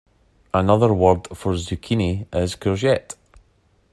Another word for zucchini is courgette